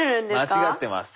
間違ってます。